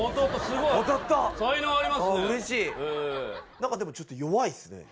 何かでもちょっと弱いですね。